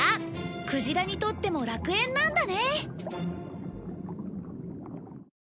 クジラにとっても楽園なんだね。